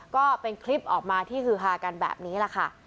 ก็เป็นคลิปออกมาที่ฮือฮากันแบบนี้แหละค่ะ